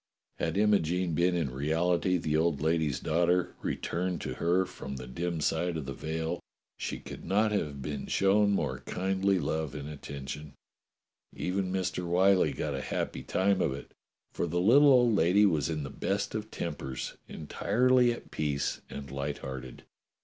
262 DOCTOR SYN Had Imogene been in reality the old lady's daughter, returned to her from the dim side of the veil, she could not have been shown more kindly love and attention. Even Mr. Whyllie got a happy time of it, for the little old lady was in the best of tempers, entirely at peace and light hearted.